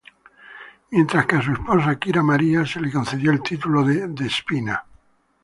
Mientras que a su esposa Kira María se le concedió el título de "despina".